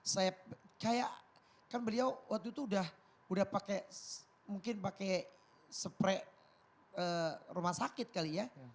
saya kayak kan beliau waktu itu udah pakai mungkin pakai spray rumah sakit kali ya